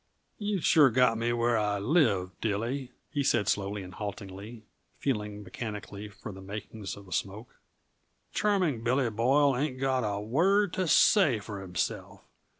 "You've sure got me where I live, Dilly," he said slowly and haltingly, feeling mechanically for the makings of a smoke. "Charming Billy Boyle ain't got a word to say for himself.